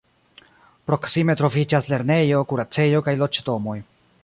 Proksime troviĝas lernejo, kuracejo kaj loĝdomoj.